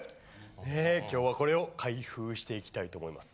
ねえ今日はこれを開封していきたいと思います。